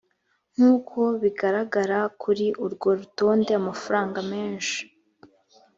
nk uko bigaragara kuri urwo rutonde amafaranga menshi